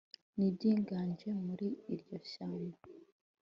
n ibyiganje muri iryo shyamba